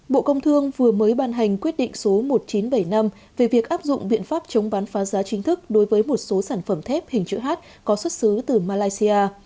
bộ công thương vừa mới ban hành quyết định số một nghìn chín trăm bảy mươi năm về việc áp dụng biện pháp chống bán phá giá chính thức đối với một số sản phẩm thép hình chữ h có xuất xứ từ malaysia